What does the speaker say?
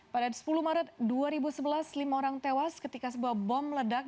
pada sepuluh maret dua ribu sebelas lima orang tewas ketika sebuah bom ledak